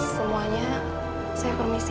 semuanya saya permisi